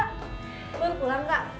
buat pulang kak